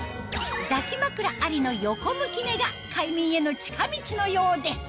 抱き枕ありの横向き寝が快眠への近道のようです